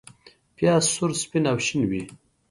پیاز سور، سپین او شین وي